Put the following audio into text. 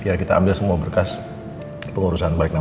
biar kita ambil semua berkas pengurusan bernama sertifikat